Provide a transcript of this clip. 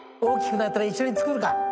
大きくなったら一緒に作るか。